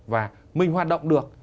và mình hoạt động được